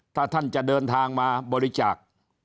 ถ้าท่านจะเดินทางมาบริจาค